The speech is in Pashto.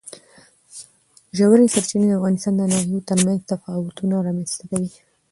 ژورې سرچینې د افغانستان د ناحیو ترمنځ تفاوتونه رامنځ ته کوي.